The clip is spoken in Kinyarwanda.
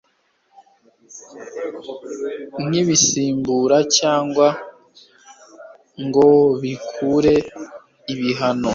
ntibisimbura cyangwa ngo bikureho ibihano